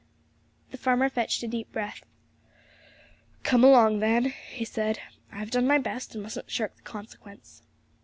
The farmer fetched a deep breath. 'Come along, then,' he said; 'I've done my best, and mustn't shirk the consequence.'